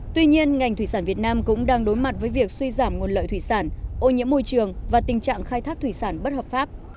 tuy nhiên ngành thủy sản việt nam cũng đang đối mặt với việc suy giảm nguồn lợi thủy sản ô nhiễm môi trường và tình trạng khai thác thủy sản bất hợp pháp